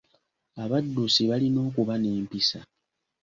Abaddusi balina okuba n'empisa.